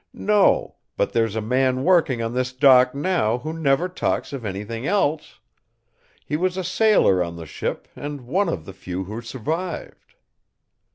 'No, but there's a man working on this dock now who never talks of anything else. He was a sailor on the ship and one of the few who survived.'